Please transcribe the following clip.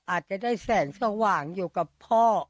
อาจจะได้แสงสว่างอยู่กับพ่อ